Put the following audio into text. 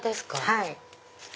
はい。